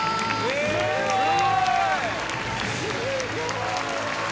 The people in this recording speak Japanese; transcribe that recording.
すごい！